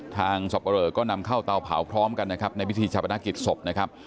สับปะเรอก็นำเข้าเตาเผาพร้อมกันนะครับในพิธีชาปนกิจศพนะครับ